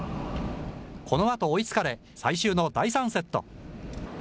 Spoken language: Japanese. このあと追いつかれ、最終の第３セット。